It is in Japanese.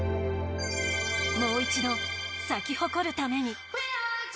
もう一度、咲き誇るために。